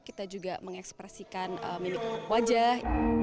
kita juga mengekspresikan wajah